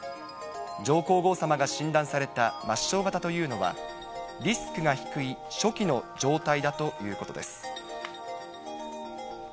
上皇后さまが診断された末しょう型というのは、リスクが低い初期の状態だということです。